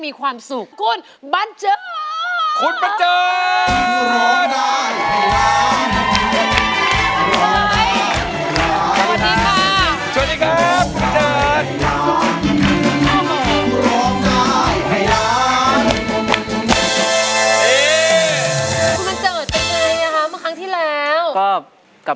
ทำการบ้านกับใครกับเมียป่ะ